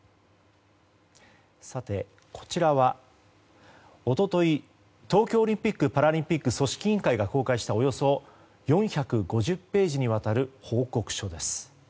こちらは一昨日東京オリンピック・パラリンピック組織委員会が公開したおよそ４５０ページにわたる報告書です。